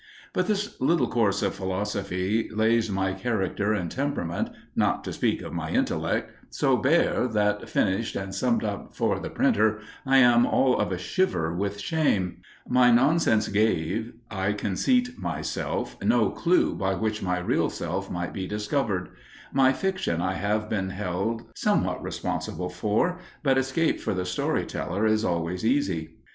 But this little course of philosophy lays my character and temperament, not to speak of my intellect, so bare that, finished and summed up for the printer, I am all of a shiver with shame. My nonsense gave, I conceit myself, no clue by which my real self might be discovered. My fiction I have been held somewhat responsible for, but escape for the story teller is always easy.